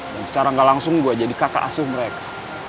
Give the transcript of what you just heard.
dan secara gak langsung gue jadi kakak asuh mereka